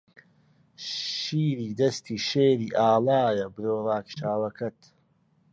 شیری دەستی شێری ئاڵایە برۆ ڕاکشاوەکەت